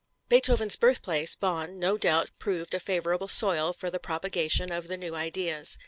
Beethoven's birthplace, Bonn, no doubt proved a favorable soil for the propagation of the new ideas.